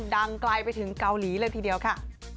ดังไกลไปถึงเกาหลีเลยทีเดียวค่ะ